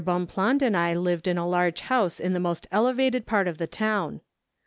Bon pland and I lived in a large house in the most ele¬ vated part of the town.